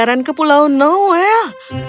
pelayanan ke pulau noel